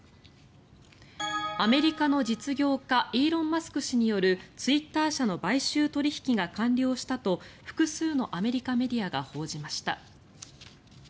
アメリカの実業家イーロン・マスク氏によるツイッター社の買収取引が完了したと複数のアメリカメディアが報じました。